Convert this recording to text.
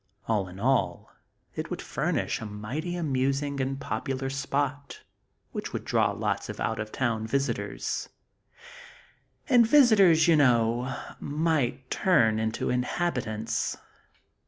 All in all it would furnish a mighty amusing and popular spot which would draw lots of out of town visitors; and visitors, you know, might turn into inhabitants!